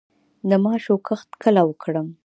د ماشو کښت کله وکړم؟